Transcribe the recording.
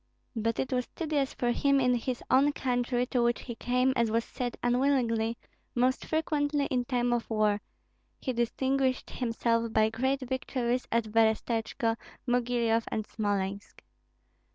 But it was tedious for him in his own country, to which he came, as was said, unwillingly, most frequently in time of war; he distinguished himself by great victories at Berestechko, Mogilyoff, and Smolensk.